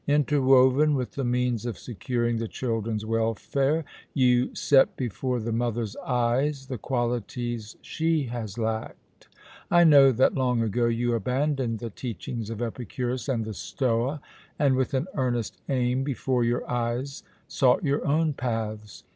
"Interwoven with the means of securing the children's welfare, you set before the mother's eyes the qualities she has lacked. I know that long ago you abandoned the teachings of Epicurus and the Stoa, and with an earnest aim before your eyes sought your own paths.